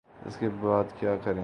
اس کے بعد کیا کریں؟